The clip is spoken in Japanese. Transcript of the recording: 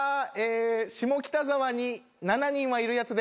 下北沢に７人はいるやつです。